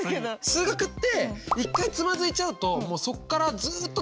数学って一回つまずいちゃうともうそっからずっとつまずいていかない？